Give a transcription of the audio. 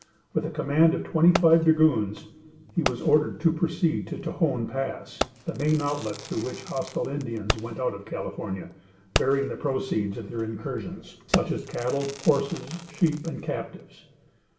With a command of twenty five dragoons, he was ordered to proceed to Tajon Pass, the main outlet through which hostile Indians went out of California, bearing the proceeds of their incursions, such as cattle, horses, sheep and captives.